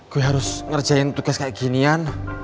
gua harus ngerjain tugas kaya ginian